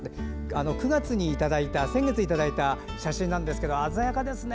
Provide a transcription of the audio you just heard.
９月にいただいた写真なんですけど鮮やかですね。